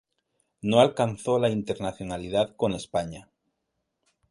No alcanzó la internacionalidad con España.